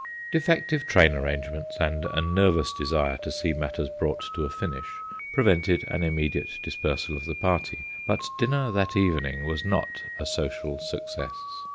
Defective train arrangements and a nervous desire to see matters brought to a finish prevented an immediate dispersal of the party, but dinner that evening was not a social success.